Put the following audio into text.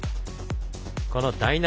この第７